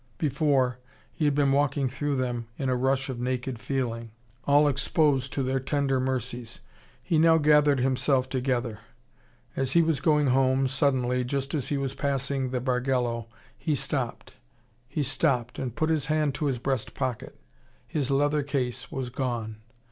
Before, he had been walking through them in a rush of naked feeling, all exposed to their tender mercies. He now gathered himself together. As he was going home, suddenly, just as he was passing the Bargello, he stopped. He stopped, and put his hand to his breast pocket. His letter case was gone.